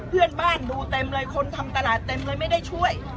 เพื่อนบ้านดูเต็มเลยคนทำตลาดเต็มเลยไม่ได้ช่วย